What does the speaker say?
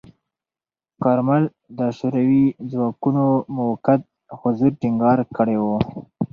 کارمل د شوروي ځواکونو موقت حضور ټینګار کړی و.